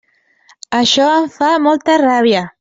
Això em fa molta ràbia.